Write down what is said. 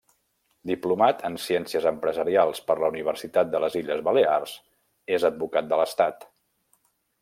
Diplomat en Ciències Empresarials per la Universitat de les Illes Balears, és advocat de l'Estat.